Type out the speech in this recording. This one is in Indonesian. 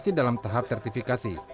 masih dalam tahap sertifikasi